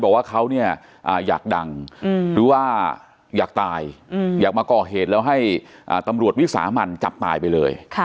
บอกว่าเขาเนี่ยอยากดังหรือว่าอยากตายอยากมาก่อเหตุแล้วให้ตำรวจวิสามันจับตายไปเลย